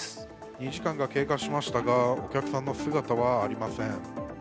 ２時間が経過しましたがお客さんの姿はありません。